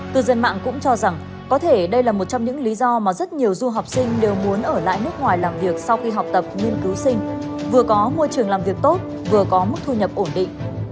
cư dân mạng cũng cho rằng có thể đây là một trong những lý do mà rất nhiều du học sinh đều muốn ở lại nước ngoài làm việc sau khi học tập nghiên cứu sinh vừa có môi trường làm việc tốt vừa có mức thu nhập ổn định